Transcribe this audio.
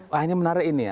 wah ini menarik ini ya